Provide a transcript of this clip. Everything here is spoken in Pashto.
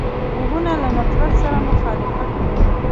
غوږونه له نفرت سره مخالفت کوي